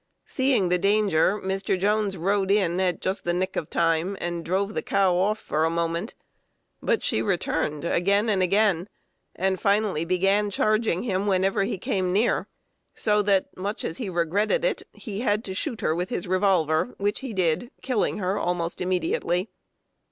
Seeing the danger, Mr. Jones rode in at just the nick of time, and drove the cow off for a moment; but she returned again and again, and finally began charging him whenever he came near; so that, much as he regretted it, he had to shoot her with his revolver, which he did, killing her almost immediately."